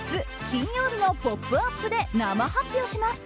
金曜日の「ポップＵＰ！」で生発表します。